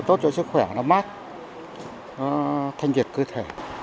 nó tốt cho sức khỏe nó mát nó thanh nhiệt cơ thể